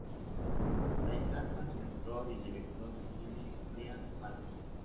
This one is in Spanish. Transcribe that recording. Es hijastra del actor y director de cine Brian De Palma.